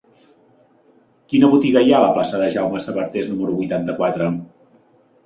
Quina botiga hi ha a la plaça de Jaume Sabartés número vuitanta-quatre?